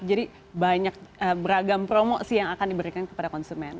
jadi banyak beragam promo sih yang akan diberikan kepada konsumen